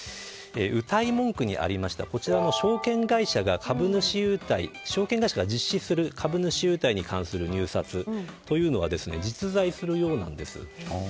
うたい文句にありましたこちらの証券会社が実施する株主優待に関する入札というのは実在するようなんです。